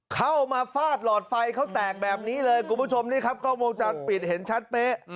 เข้ามาฟาดหลอดไฟเขาแตกแบบนี้เลยคุณผู้ชมนี่ครับกล้องวงจรปิดเห็นชัดเป๊ะ